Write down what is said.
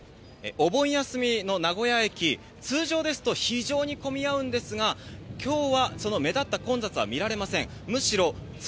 お盆休みの名古屋駅、通常ですと非常に混み合うんですが、きょうは、その目立った混雑は見られません。